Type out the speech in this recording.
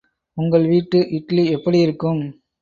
உங்கள் வீட்டு இட்லி எப்படி இருக்கும்.